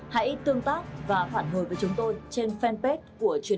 hãy tương tác và phản hồi với chúng tôi trên fanpage của truyền hình công an nhân dân